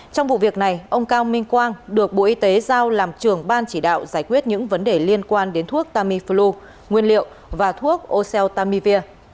trong vụ việc này ông cao minh quang được bộ y tế giao làm trưởng ban chỉ đạo giải quyết những vấn đề liên quan đến thuốc tamiflu nguyên liệu và thuốc oceltamivir